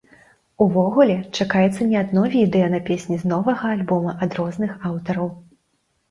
Увогуле, чакаецца не адно відэа на песні з новага альбома ад розных аўтараў.